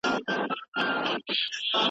نارې د حق دي زیندۍ په ښار کي ,